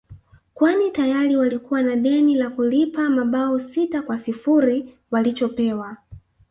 kwani tayari walikuwa na deni la kulipa mabao sita kwa sifuri walichopewa